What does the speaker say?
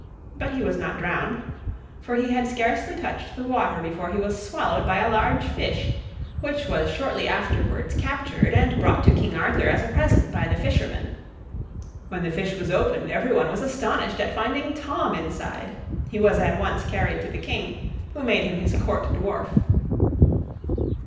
But he was not drowned, for he had scarcely touched the water before he was swallowed by a large fish, which was shortly afterwards captured and brought to King Arthur, as a present, by the fisherman. When the fish was opened, everyone was astonished at finding Tom inside. He was at once carried to the King, who made him his Court dwarf.